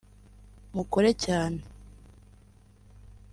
mukore cyane